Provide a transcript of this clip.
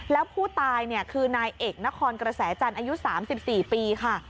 แล้วผู้ตายคือนายเอกนครกระแสจันทร์อายุ๓๔ปีค่ะ